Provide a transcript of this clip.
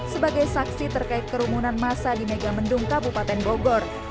sebagai saksi terkait kerumunan masa di megamendung kabupaten bogor